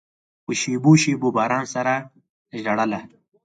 په شېبو، شېبو باران سره ژړله